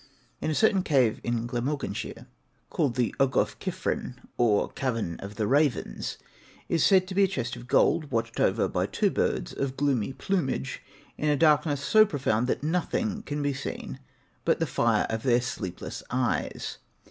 In a certain cavern in Glamorganshire, called the Ogof Cigfrain, or Cavern of the Ravens, is said to be a chest of gold, watched over by two birds of gloomy plumage, in a darkness so profound that nothing can be seen but the fire of their sleepless eyes.